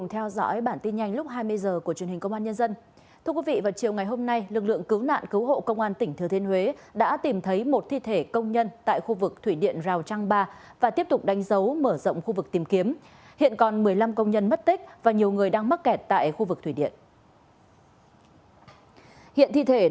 hãy đăng ký kênh để ủng hộ kênh của chúng mình nhé